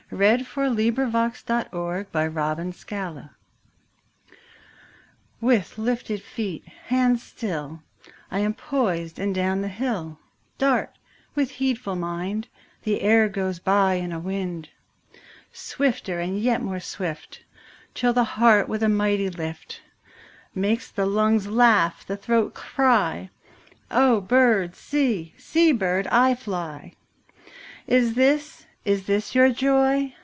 1859–1919 856. Going down Hill on a Bicycle A BOY'S SONG WITH lifted feet, hands still, I am poised, and down the hill Dart, with heedful mind; The air goes by in a wind. Swifter and yet more swift, 5 Till the heart with a mighty lift Makes the lungs laugh, the throat cry:— 'O bird, see; see, bird, I fly. 'Is this, is this your joy?